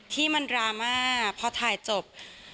ที่มันดราม่าพอถ่ายจบ